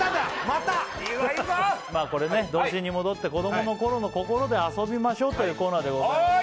まあこれね童心に戻って子どもの頃の心で遊びましょうというコーナーでございます